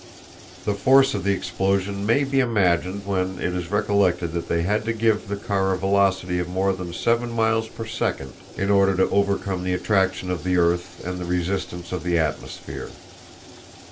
The force of the explosion may be imagined when it is recollected that they had to give the car a velocity of more than seven miles per second in order to overcome the attraction of the earth and the resistance of the atmosphere.